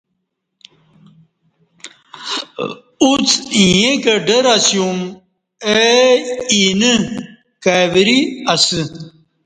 اُݩڅ ایں کہ ڈر اسیوم اے اِ نیہ کائی ورئ اسہ